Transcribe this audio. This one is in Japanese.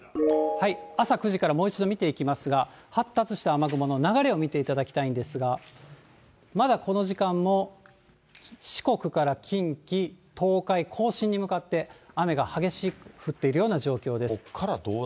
朝９時からもう一度見ていきますが、発達した雨雲の流れを見ていただきたいんですが、まだこの時間も四国から近畿、東海、甲信に向かって、雨が激しく降っているような状況です。